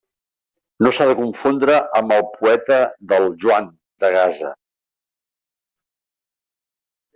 No s'ha de confondre amb el poeta del Joan de Gaza.